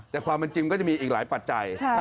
แต่ความเป็นจริงก็จะมีอีกหลายปัจจัย